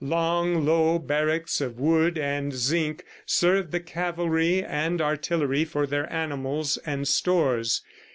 Long, low barracks of wood and zinc served the cavalry and artillery for their animals and stores.